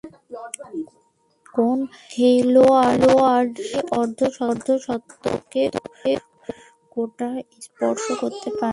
কোন খেলোয়াড়ই অর্ধ-শতকের কোটা স্পর্শ করতে পারেননি।